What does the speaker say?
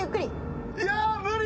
いやあ無理！